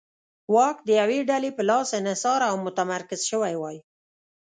واک د یوې ډلې په لاس انحصار او متمرکز شوی وای.